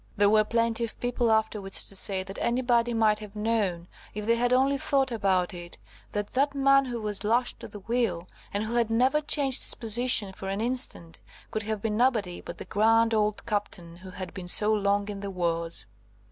There were plenty of people afterwards to say that anybody might have known–if they had only thought about it–that that man who was lashed to the wheel, and who had never changed his position for an instant, could have been nobody, but the grand old Captain who had been so long in the wars!